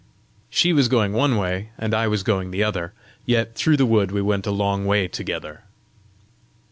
She was going one way and I was going the other, yet through the wood we went a long way together.